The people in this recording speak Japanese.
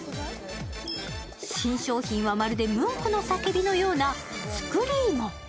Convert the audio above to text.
新商品は、まるでムンクの叫びのようなスクリーモ。